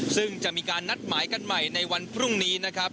ซึ่งจะมีการนัดหมายกันใหม่ในวันพรุ่งนี้นะครับ